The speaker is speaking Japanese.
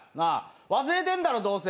忘れてんだよ、どうせ。